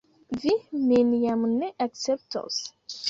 Vi min jam ne akceptos?